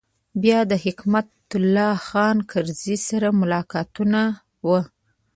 بیا د حکمت الله خان کرزي سره ملاقاتونه و.